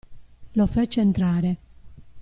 Lo fece entrare.